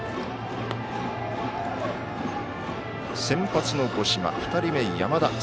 先発の五島２人目、山田。